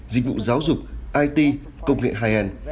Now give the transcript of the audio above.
dịch vụ giáo dục it công nghệ hài hèn